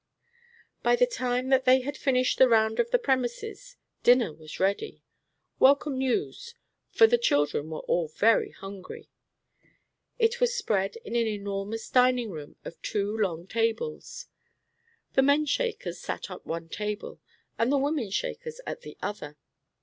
By the time that they had finished the round of the premises dinner was ready, welcome news; for the children were all very hungry. It was spread in an enormous dining room on two long tables. The men Shakers sat at one table, and the women Shakers at the other.